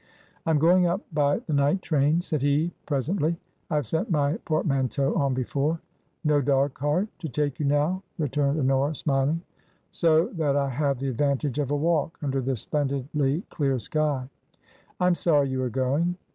" I am going up by the night train," said he, pres ently; " I have sent my portmanteau on before." "No dog cart to take you now!" returned Honora, smiling. " So that I have the advantage of a walk under this splendidly clear sky." " I am sorry you are going."